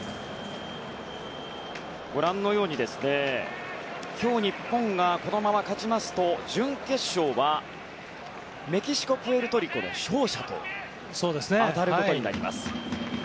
ご覧のように今日、日本がこのまま勝ちますと準決勝はメキシコ対プエルトリコの勝者と当たることになります。